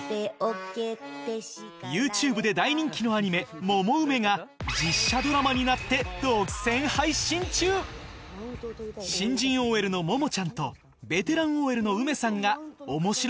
ＹｏｕＴｕｂｅで大人気のアニメ『モモウメ』が実写ドラマになって新人ＯＬのモモちゃんとベテランＯＬのウメさんがおもしろ